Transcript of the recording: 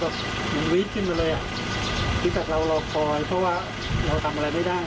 คือแบบเราเราปล่อยเพราะว่าเราทำอะไรไม่ได้